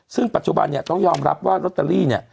ซึ่งปัจจุบันต้องยอมรับว่าโรตเตอรี่